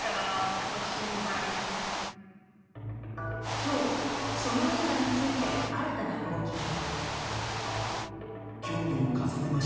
今日、その映画について新たな動きが。